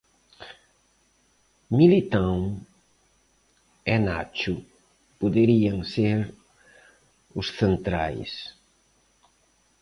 Militao e Nacho poderían ser os centrais.